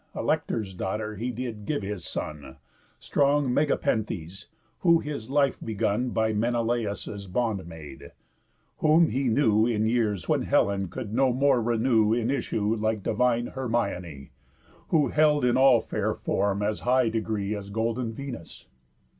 Alector's daughter he did give his son, Strong Megapenthes, who his life begun By Menelaus' bondmaid; whom he knew In years when Helen could no more renew In issue like divine Hermione, Who held in all fair form as high degree As golden Venus.